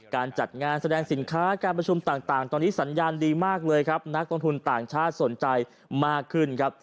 การจัดงานแสดงสินค้าการประชุมต่างตอนนี้สัญญาณดีมากเลยครับนักลงทุนต่างชาติสนใจมากขึ้นครับ